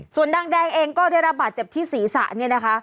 ส่วนนางแดงเองก็ได้รับบาดเจ็บที่ศีรษะเนี่ยนะคะ